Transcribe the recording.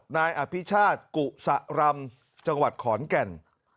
นายอภิชาติกุศรำจังหวัดขอนแก่น